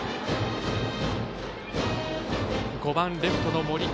５番、レフトの森。